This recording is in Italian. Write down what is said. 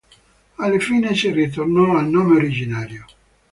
Alla fine si ritornò al nome originario.